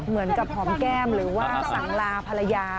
เหมือนกับหอมแก้มหรือว่าสั่งลาภรรยา